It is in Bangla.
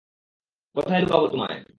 কোথায় লুকাবো তোমায়?